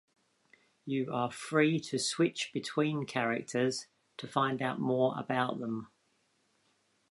You are free to switch between characters to find out more about them.